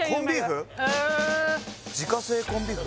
へえ自家製コンビーフ